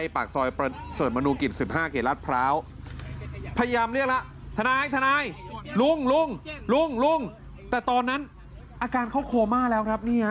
ปากซอยประเสริฐมนุกิจ๑๕เขตรัฐพร้าวพยายามเรียกแล้วทนายทนายลุงลุงลุงแต่ตอนนั้นอาการเขาโคม่าแล้วครับเนี่ย